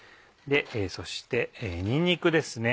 そしてにんにくですね